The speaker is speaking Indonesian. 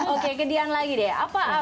oke ke dian lagi deh